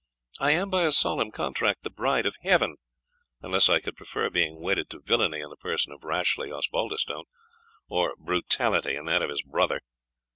I am, by a solemn contract, the bride of Heaven, unless I could prefer being wedded to villany in the person of Rashleigh Osbaldistone, or brutality in that of his brother.